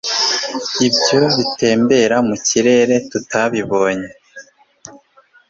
ibyo bitembera mu kirere tutababonye